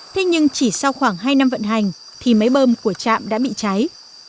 thế nhưng chỉ sau khoảng hai năm vận hành thì máy bơm của trạm đã bị cháy